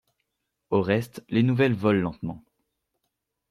Au reste, les nouvelles volent lentement.